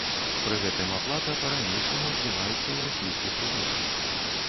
Пры гэтым аплата па-ранейшаму адбываецца ў расійскіх рублях.